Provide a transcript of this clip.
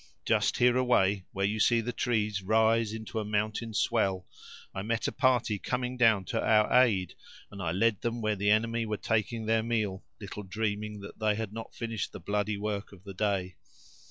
Just hereaway, where you see the trees rise into a mountain swell, I met a party coming down to our aid, and I led them where the enemy were taking their meal, little dreaming that they had not finished the bloody work of the day."